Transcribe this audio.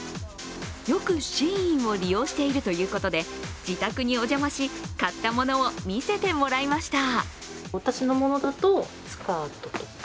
よくＳＨＥＩＮを利用しているということで自宅にお邪魔し買ったものを見せてもらいました。